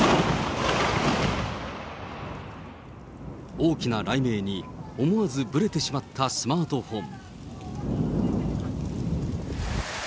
大きな雷鳴に思わずぶれてしまったスマートフォン。